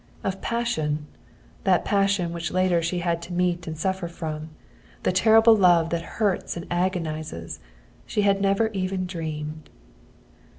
Of passion, that passion which later she was to meet and suffer from, the terrible love that hurts and agonizes, she had never even dreamed.